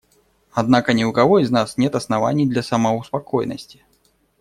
Однако ни у кого из нас нет оснований для самоуспокоенности.